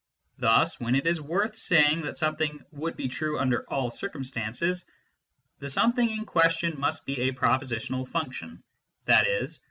Thus when it is worth saying that something "would be true under all circumstances," the something in question must be a prepositional function, i.e.